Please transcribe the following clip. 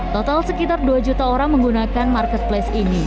total sekitar dua juta orang menggunakan marketplace ini